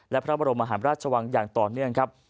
และพระบรมหาราชวังอย่างต่อเนื่องครับ